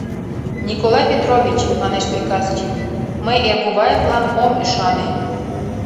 — Николай Петрович, — манеш приказчик, — мый Эргуваевлан ом ӱшане.